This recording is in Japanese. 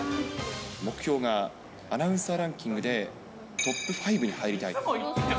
目標がアナウンサーランキングでトップ５に入りたいと。